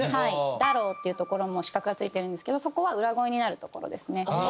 「だろう」っていう所も四角が付いてるんですけどそこは裏声になる所ですね。